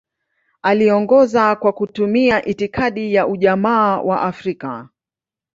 Aliongoza kwa kutumia itikadi ya Ujamaa wa Afrika.